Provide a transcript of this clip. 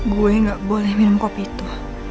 gue gak boleh minum kopi itu